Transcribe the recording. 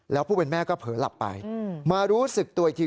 แล้วผู้เป็นแม่ก็เผลอหลับไปมารู้สึกตัวอีกที